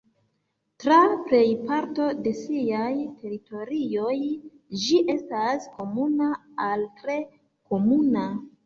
Tra plej parto de siaj teritorioj, ĝi estas komuna al tre komuna.